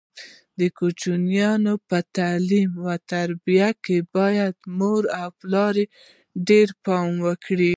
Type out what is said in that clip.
د کوچنیانو په تعلیم او تربیه کې باید پلار او مور ډېر پام وکړي.